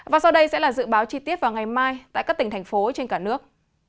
và sau đây sẽ là dự báo chi tiết vào ngày mai tại các tỉnh thành phố trên cả nước